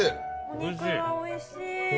お肉がおいしい。